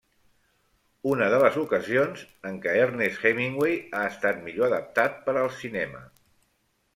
Una de les ocasions en què Ernest Hemingway ha estat millor adaptat per al cinema.